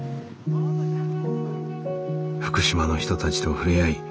福島の人たちと触れ合い